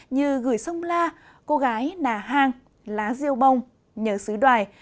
như gửi sông la cô gái nà hang lá rêu bông nhớ sứ đoài